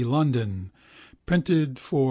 London, printed for R.